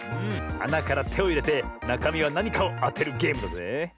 あなからてをいれてなかみはなにかをあてるゲームだぜえ。